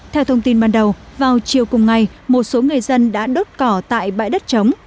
theo thông tin ban đầu vào chiều cùng ngày một số người dân đã đốt cỏ tại bãi đất chống